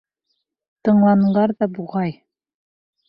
Тыңланылар ҙа, буғай.